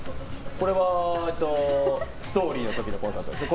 これは「ＳＴＯＲＹ」の時のコンサートですね。